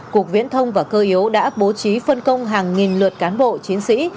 cục viễn thông và cơ yếu đã bố trí phân công hàng nghìn lượt cán bộ chiến sĩ